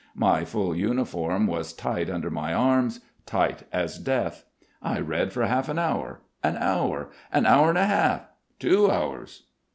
My full uniform was tight under my arms, tight as death. I read for half an hour, an hour, an hour and a half, two hours.